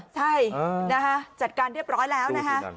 ใช่นะคะจัดการเรียบร้อยแล้วนะคะ